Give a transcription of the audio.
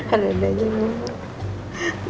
aduh aduh aja kamu